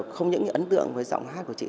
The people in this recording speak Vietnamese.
không những ấn tượng với giọng hát của chị